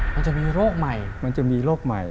มันจะมีโรคใหม่มันจะมีโรคใหม่